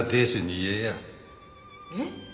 えっ？